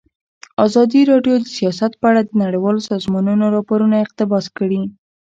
ازادي راډیو د سیاست په اړه د نړیوالو سازمانونو راپورونه اقتباس کړي.